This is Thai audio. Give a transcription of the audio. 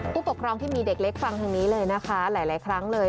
ผู้ปกครองที่มีเด็กเล็กฟังทางนี้เลยนะคะหลายครั้งเลย